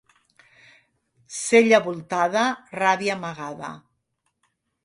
Cella voltada, ràbia amagada.